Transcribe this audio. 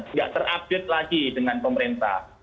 nggak terupdate lagi dengan pemerintah